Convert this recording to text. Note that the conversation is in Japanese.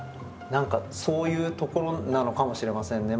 何かそういうところなのかもしれませんね。